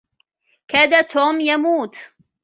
كاد توم يموت